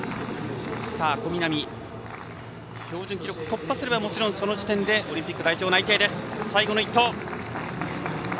小南、標準記録を突破すればもちろんその時点でオリンピック内定です。